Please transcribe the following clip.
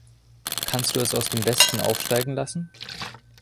Kannst du es aus dem Westen aufsteigen lassen?